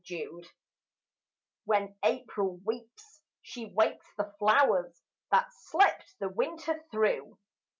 APRIL When April weeps, she wakes the flowers That slept the winter through.